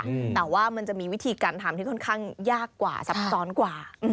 อืมแต่ว่ามันจะมีวิธีการทำที่ค่อนข้างยากกว่าซับซ้อนกว่าอืม